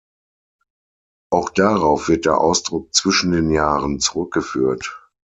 Auch darauf wird der Ausdruck „zwischen den Jahren“ zurückgeführt.